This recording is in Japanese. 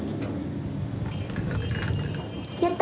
やった！